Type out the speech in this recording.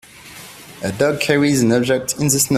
A dog carries an object in the snow.